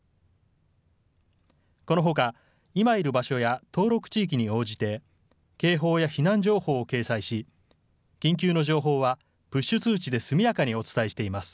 このほか、今いる場所や登録地域に応じて警報や避難情報を掲載し緊急の情報はプッシュ通知で速やかにお伝えしています。